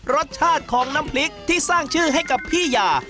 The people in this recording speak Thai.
รสชาติของน้ำพริกที่สร้างชื่อให้กับพี่ยา